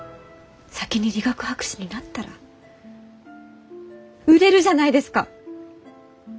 先に理学博士になったら売れるじゃないですか！